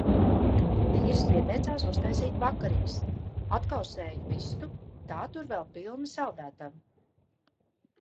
Vīrs pieteicās uztaisīt vakariņas. Atkausēju vistu, tā tur vēl pilna saldētava.